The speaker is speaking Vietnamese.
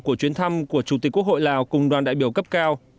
của chuyến thăm của chủ tịch quốc hội lào cùng đoàn đại biểu cấp cao